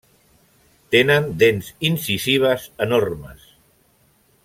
Tenen dents incisives enormes.